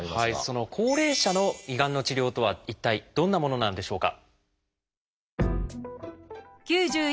その高齢者の胃がんの治療とは一体どんなものなんでしょうか？